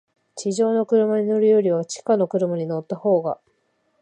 地上の車に乗るよりは、地下の車に乗ったほうが、